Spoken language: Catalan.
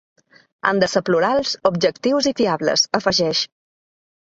Han de ser plurals, objectius i fiables, afegeix.